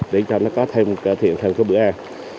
để cho nó có thêm cải thiện thêm cái bữa ăn